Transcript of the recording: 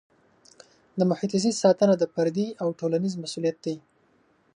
د محیط زیست ساتنه د فردي او ټولنیز مسؤلیت دی.